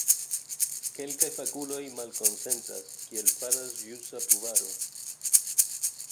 Kelkaj fakuloj malkonsentas, kiel faras ĵusa pruvaro.